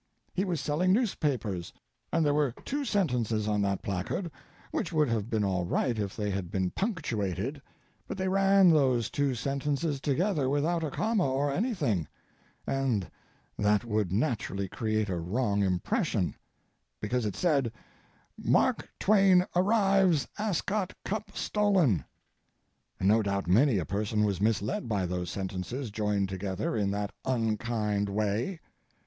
He was selling newspapers, and there were two sentences on that placard which would have been all right if they had been punctuated; but they ran those two sentences together without a comma or anything, and that would naturally create a wrong impression, because it said, "Mark Twain arrives Ascot Cup stolen." No doubt many a person was misled by those sentences joined together in that unkind way.